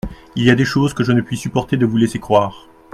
Il y a des choses que je ne puis supporter de vous laisser croire.